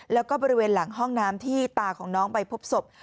แล้วก็บริเวณหลังห้องน้ำที่ตาของน้องไปพบศพ